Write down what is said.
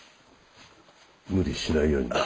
無理しないようにな。